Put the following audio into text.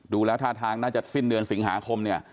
ดูแล้วท่าทางน่าจะสิ้นเดือนสิงหาคมเนี่ย